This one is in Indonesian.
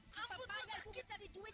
seseorang yang bisa jadi duit